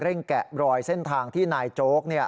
แกะรอยเส้นทางที่นายโจ๊ก